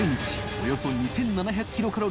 およそ２７００ｋｃａｌ